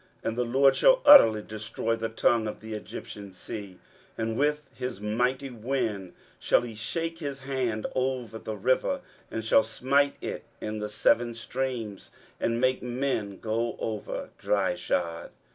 23:011:015 And the LORD shall utterly destroy the tongue of the Egyptian sea; and with his mighty wind shall he shake his hand over the river, and shall smite it in the seven streams, and make men go over dryshod.